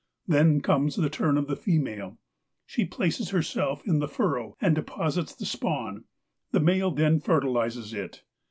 Then comes the turn of the female. She places herself in the furrow, and deposits the spawn. The male then fertilizes it.